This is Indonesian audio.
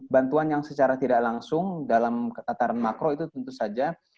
bantuan yang secara tidak langsung dalam tataran makro itu tentu saja